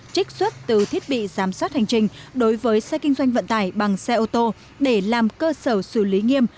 trích xuất từ thiết bị giám sát hành trình đối với xe kinh doanh vận tải bằng xe ô tô để làm cơ sở xử lý nghiêm